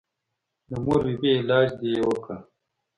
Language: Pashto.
د مور بي بي علاج دې پې وکه.